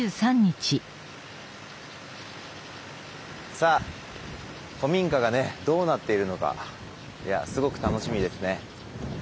さあ古民家がねどうなっているのかすごく楽しみですね。